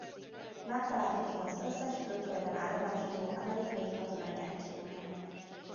Megtalálható az összes külföldön állomásozó amerikai katonai egységnél.